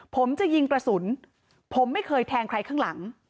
ผมจะยิงกระสุนผมไม่เคยแทงใครข้างหลัง